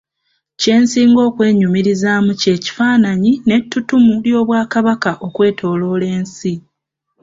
Kye nsinga okwenyumirizaamu ky'ekifaananyi n'ettuttumu ly'Obwakabaka okwetooloola ensi.